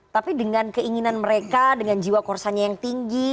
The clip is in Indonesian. tapi dengan keinginan mereka dengan jiwa korsanya yang tinggi